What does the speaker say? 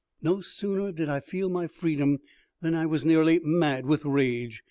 No sooner did I feel my freedom than I was nearly mad with rage.